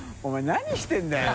何してるんだよ！